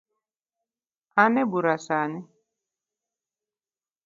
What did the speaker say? An ebura sani